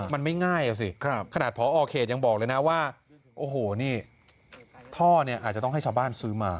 มันไม่ง่ายอ่ะสิขนาดพอเขตยังบอกเลยนะว่าโอ้โหนี่ท่อเนี่ยอาจจะต้องให้ชาวบ้านซื้อมา